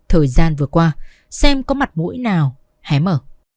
thời gian vừa qua xem có mặt mũi nào hé mở